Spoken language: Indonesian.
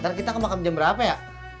ntar kita ke makam jam berapa ya